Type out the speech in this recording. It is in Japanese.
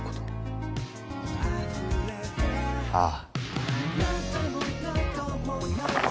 ああ。